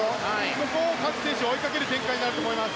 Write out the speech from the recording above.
そこを各選手が追いかける展開になると思います。